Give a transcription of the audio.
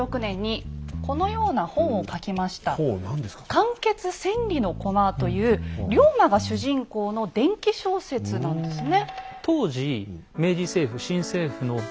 「汗血千里駒」という龍馬が主人公の伝記小説なんですね。